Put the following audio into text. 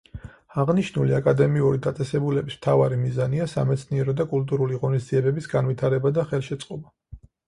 აღნიშნული აკადემიური დაწესებულების მთავარი მიზანია სამეცნიერო და კულტურული ღონისძიებების განვითარება და ხელშეწყობა.